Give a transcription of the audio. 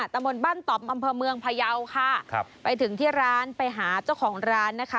ตะบนบ้านต่อมอำเภอเมืองพยาวค่ะครับไปถึงที่ร้านไปหาเจ้าของร้านนะคะ